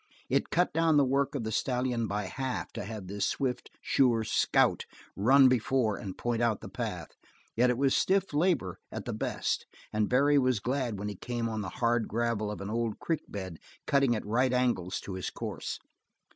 It cut down the work of the stallion by half to have this swift, sure scout run before and point out the path, yet it was stiff labor at the best and Barry was glad when he came on the hard gravel of an old creek bed cutting at right angels to his course.